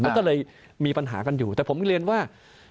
มันก็เลยมีปัญหากันอยู่แต่ผมเรียนว่า